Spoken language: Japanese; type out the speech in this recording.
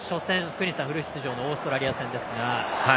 福西さん、フル出場のオーストラリア戦ですが。